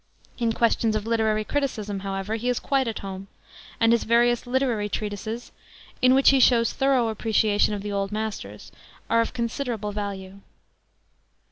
In tjuesiions of literary criticism, however, he is quite at home; and his various literary treatises, in which he shows thorough appreciation of the old masters, are of considerable value.